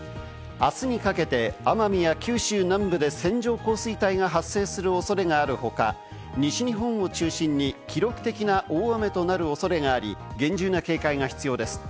あすにかけて、奄美や九州南部で線状降水帯が発生する恐れがある他、西日本を中心に記録的な大雨となる恐れがあり、厳重な警戒が必要です。